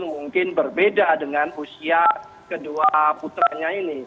mungkin berbeda dengan usia kedua putranya ini